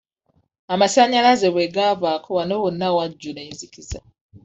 Amasannyalaze bwe gavaako wano wonna wajjula enzikiza.